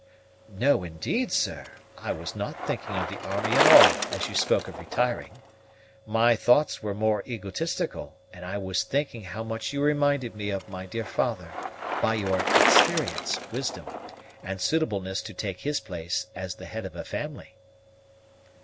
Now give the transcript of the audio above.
"No, indeed, sir; I was not thinking of the army at all as you spoke of retiring. My thoughts were more egotistical, and I was thinking how much you reminded me of my dear father, by your experience, wisdom, and suitableness to take his place as the head of a family."